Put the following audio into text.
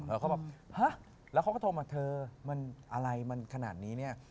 เขาบอกฮะแล้วเขาก็โทรมาเธอมันอะไรมันขนาดนี้เนี่ย